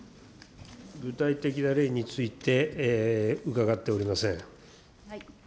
具体的な例について、伺っておりません。